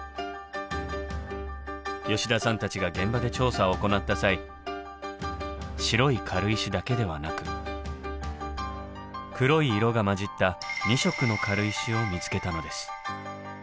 吉田さんたちが現場で調査を行った際白い軽石だけではなく黒い色が混じった２色の軽石を見つけたのです。